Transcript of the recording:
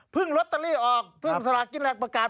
พึ่งลอตเตอรี่ออกพึ่งสลากินแรกประกาศ